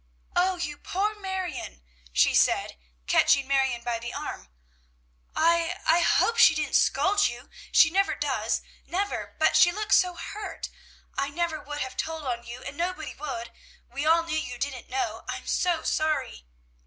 "O you poor Marion!" she said, catching Marion by the arm, "I I hope she didn't scold you; she never does never; but she looks so hurt. I never would have told on you, and nobody would. We all knew you didn't know; I'm so sorry!"